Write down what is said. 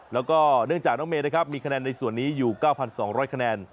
แล้วก็เนื่องจากน้องเมย์นะครับมีคะแนนในส่วนนี้อยู่๙๒๐๐คะแนน